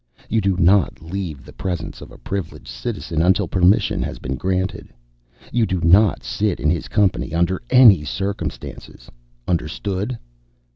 You do not leave the presence of a Privileged Citizen until permission has been granted. You do not sit in his company under any circumstances. Understood?